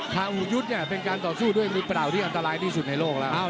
หูยุทธ์เนี่ยเป็นการต่อสู้ด้วยมือเปล่าที่อันตรายที่สุดในโลกแล้ว